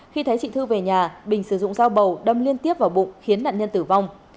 khi thấy chị thư về nhà bình sử dụng dao bầu đâm liên tiếp vào bụng khiến nạn nhân tử vong